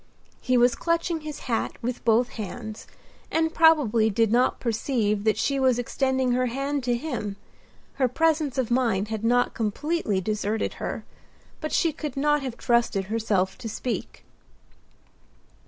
He was clutching his hat with both hands, and probably did not perceive that she was extending her hand to him, her presence of mind had not completely deserted her; but she could not have trusted herself to speak.